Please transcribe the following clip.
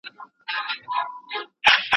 ګرګین تر مرګه پورې د میرویس په چل پوه نه شو.